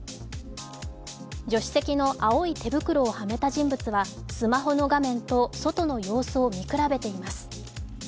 助手席の青い手袋をはめた人物はスマホの画面と外の様子を見比べています。